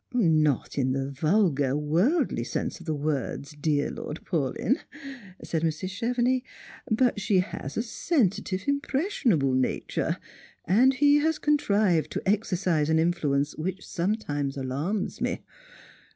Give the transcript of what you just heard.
" Not in the vulgar worldly sense of the words, dear Lord Paulyn," said Mrs. Chevenix ;" but she has a sensitive impres sionable nature, and he has contrived to exercise an influence which sometimes alarms me.